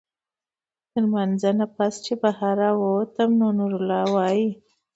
د مانځۀ نه پس چې بهر راووتم نو نورالله وايي